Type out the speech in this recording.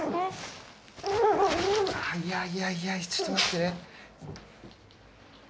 いやいやいやちょっと待って。